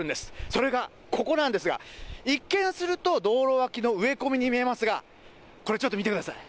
それがここなんですが、一見すると、道路脇の植え込みに見えますが、これ、ちょっと見てください。